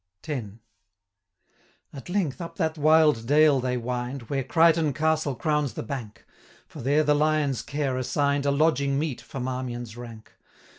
X. At length up that wild dale they wind, Where Crichtoun Castle crowns the bank; For there the Lion's care assign'd 195 A lodging meet for Marmion's rank.